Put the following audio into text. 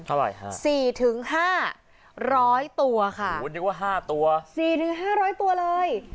เท่าไหร่ฮะสี่ถึงห้าร้อยตัวค่ะโอ้โหนึกว่าห้าตัวสี่ถึงห้าร้อยตัวเลย